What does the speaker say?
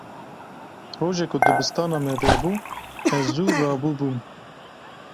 Roja ku dibistana me vebû, ez zû rabûbûm.